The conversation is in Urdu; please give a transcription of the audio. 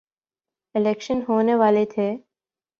الیکشن ہونے والے تھے